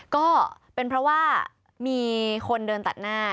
ก็เป็นเพราะว่ามีคนเดินตัดหน้า